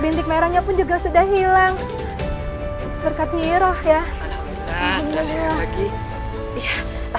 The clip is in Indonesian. bintik merahnya pun juga sudah hilang berkatnya iroh ya